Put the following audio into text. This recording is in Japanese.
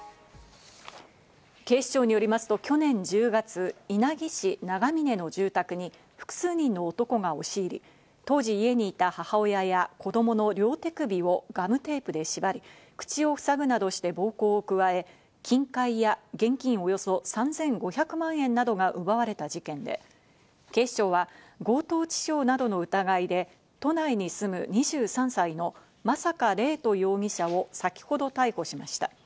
警視庁によりますと去年１０月、稲城市長峰の住宅に複数人の男が押し入り、当時、家にいた母親や子供の両手首をガムテープで縛り、口をふさぐなどして暴行を加え、金塊や現金およそ３５００万円などが奪われた事件で、警視庁は強盗致傷などの疑いで、都内に住む２３歳の真坂怜斗容疑者を先ほど逮捕しました。